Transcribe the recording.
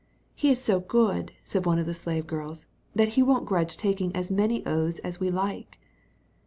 "He is so good," said one of the slave girls, "that he won't grudge taking as many oaths as we like."